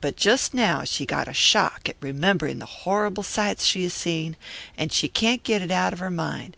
But just now she got a shock at remembering the horrible sights she has seen; she can't get it out of her mind.